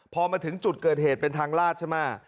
พอมาถึงจุดเกิดเหตุเป็นทางลาดใช่ไหม